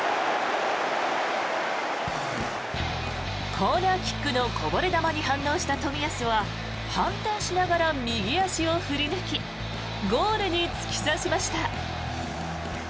コーナーキックのこぼれ球に反応した冨安は反転しながら右足を振り抜きゴールに突き刺しました。